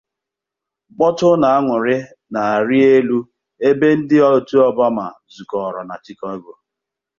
mkpọtụ na añụrị na-arị elu ebe ndị otu Obama zukọrọ na Chicago.